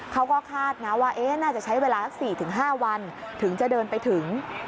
เขาก็คาดนะว่าน่าจะใช้เวลาสัก๔๕วันถึงจะเดินไปถึง